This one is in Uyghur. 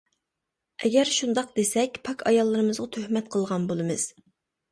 ئەگەر شۇنداق دېسەك، پاك ئاياللىرىمىزغا تۆھمەت قىلغان بولىمىز.